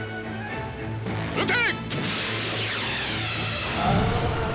撃て！